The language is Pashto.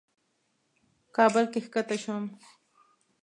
کابل کې کښته شوم.